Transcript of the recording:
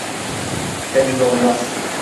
Henüz olmaz.